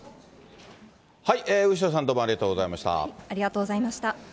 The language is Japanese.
後呂さん、どうもありがとうございました。